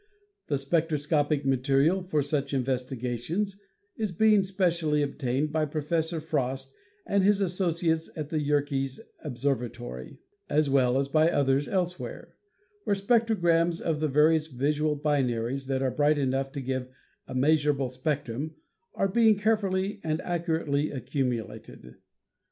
The spectroscopic material for such investigations is being specially obtained by Pro fessor Frost and his associates at the Yerkes Observatory (as well as by others elsewhere), where spectrograms of the various visual binaries that are bright enough to give a measurable spectrum are being carefully and accurately accumulated.